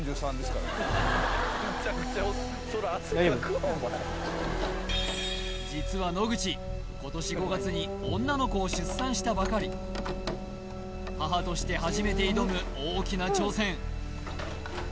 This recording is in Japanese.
うん実は野口今年５月に女の子を出産したばかり母として初めて挑む大きな挑戦